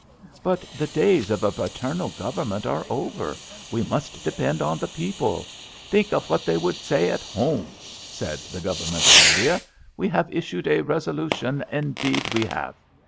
But the days of a paternal Government are over; we must depend on the people. Think of what they would say at home," said the Govern ment of India. We have issued a resolution — indeed we have!